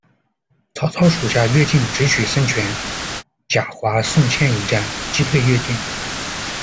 曹操属下乐进直取孙权，贾华、宋谦迎战，击退乐进。